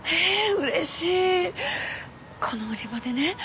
うれしいこの売り場でね